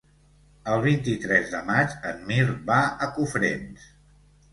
El vint-i-tres de maig en Mirt va a Cofrents.